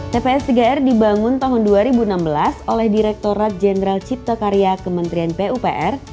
tps tiga r dibangun tahun dua ribu enam belas oleh direkturat jenderal cipta karya kementerian pupr